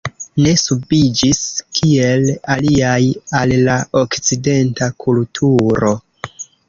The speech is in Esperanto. Ne subiĝis, kiel aliaj, al la okcidenta kulturo.